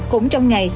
cũng trong ngày